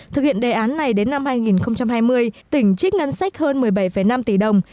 thực hiện đề án này đến năm hai nghìn hai mươi tỉnh trích ngân sách hơn một mươi bảy năm tỷ đồng